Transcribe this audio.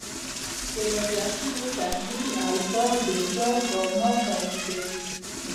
د رادیواکتیو تحلیل الفا، بیټا او ګاما تولیدوي.